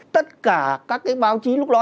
tất cả các cái báo chí lúc đó